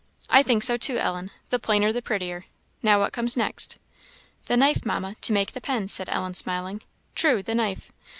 "I think so too, Ellen; the plainer the prettier. Now, what comes next?" "The knife, Mamma, to make the pens," said Ellen, smiling. "True, the knife.